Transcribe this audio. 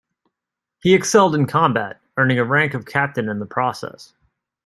He excelled in combat, earning a rank of captain in the process.